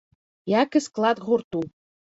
Як і склад гурту.